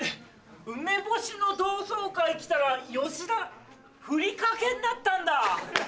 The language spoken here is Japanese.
梅干しの同窓会来たらヨシダふりかけになったんだ。